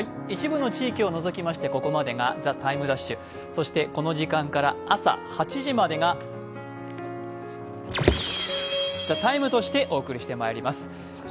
一部の地域を除きましてここまでが「ＴＩＭＥ’」、そしてこの時間から朝８時までが「ＴＨＥＴＩＭＥ，」としてお送りしてまいります。